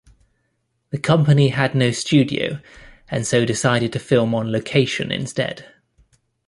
The company had no studio and so decided to film on location instead.